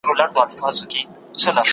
مسلمانان د لمر له پریوتو وروسته روژه ماتوي.